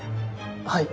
はい。